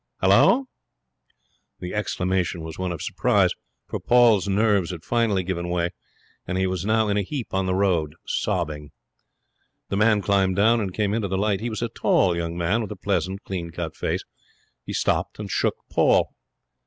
Halloa!' The exclamation was one of surprise, for Paul's nerves had finally given way, and he was now in a heap on the road, sobbing. The man climbed down and came into the light. He was a tall young man with a pleasant, clean cut face. He stopped and shook Paul.